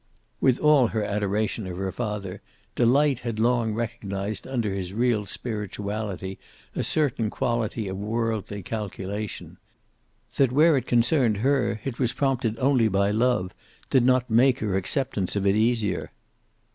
With all her adoration of her father, Delight had long recognized under his real spirituality a certain quality of worldly calculation. That, where it concerned her, it was prompted only by love did not make her acceptance of it easier.